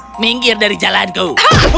kau minggir dari jalanku